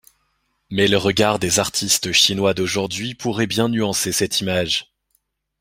Mais le regard des artistes chinois d’aujourd’hui pourrait bien nuancer cette image.